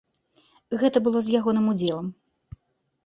Гэта было з ягоным удзелам.